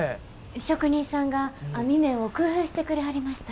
職人さんが網目を工夫してくれはりました。